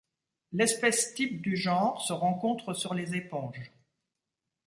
L'espèce type du genre se rencontre sur les éponges.